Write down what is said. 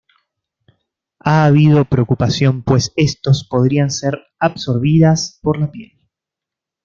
Ha habido preocupación pues estos podrían ser absorbidas por la piel.